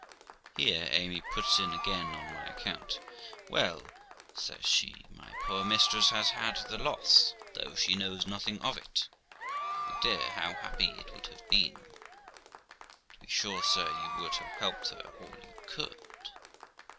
Here Amy puts in again on my account. 'Well', says she, 'my poor mistress has had the loss, though she knows nothing of it. Oh dear! how happy it would have been! To be sure, sir, you would have helped her all you could.'